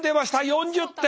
４０点。